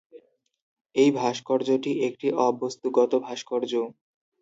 এই ভাস্কর্যটি একটি অবস্তুগত ভাস্কর্য।